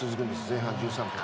前半１３分。